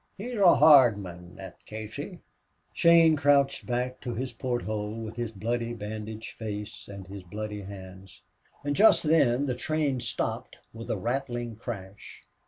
He's a harrd mon, thot Casey." Shane crouched back to his port hole, with his bloody bandaged face and his bloody hands. And just then the train stopped with a rattling crash.